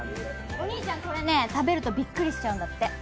お兄ちゃん、これね、食べるとびっくりしちゃうんだって。